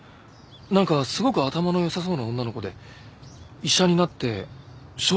なんかすごく頭の良さそうな女の子で医者になって小説も書いて